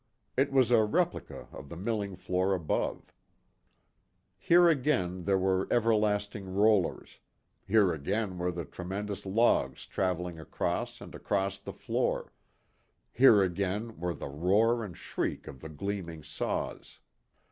It was a replica of the milling floor above. Here again were the everlasting rollers; here again were the tremendous logs traveling across and across the floor; here again were the roar and shriek of the gleaming saws.